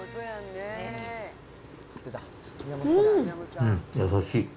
うん、優しい。